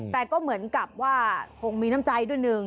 แต่ก็เหมือนกับว่าคงมีน้ำใจด้วยหนึ่ง